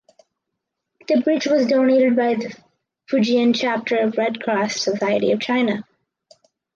The bridge was donated by the Fujian chapter of Red Cross Society of China.